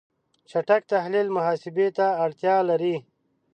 چټک تحلیل محاسبه ته اړتیا لري.